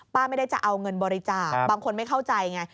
ไม่ได้จะเอาเงินบริจาคบางคนไม่เข้าใจไง